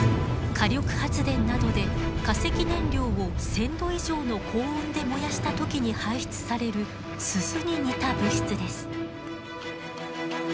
火力発電などで化石燃料を１，０００℃以上の高温で燃やした時に排出されるすすに似た物質です。